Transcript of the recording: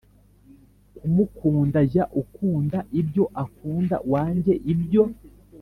kumukunda Jya ukunda ibyo akunda wange ibyo